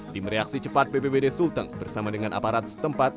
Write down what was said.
tim reaksi cepat bpbd sulteng bersama dengan aparat setempat